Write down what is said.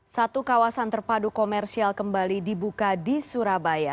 satu kawasan terpadu komersial kembali dibuka di surabaya